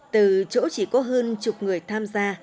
từ chỗ chỉ có hơn chục người tham gia